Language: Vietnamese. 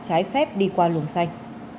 trái phép đi qua luồng xanh